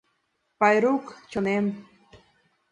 Тайрук, чонем!..